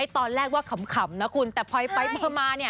ตอนแรกว่าขำนะคุณแต่พอยไปพอมาเนี่ย